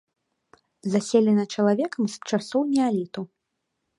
Заселена чалавекам з часоў неаліту.